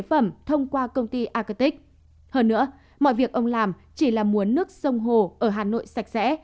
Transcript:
phẩm thông qua công ty acate hơn nữa mọi việc ông làm chỉ là muốn nước sông hồ ở hà nội sạch sẽ